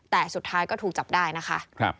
แต่สุดท้ายก็ถูกจับได้นะคะ